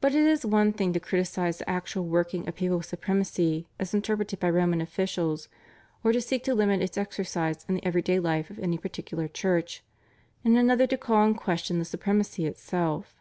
But it is one thing to criticise the actual working of papal supremacy as interpreted by Roman officials, or to seek to limit its exercise in the every day life of any particular church, and another to call in question the supremacy itself.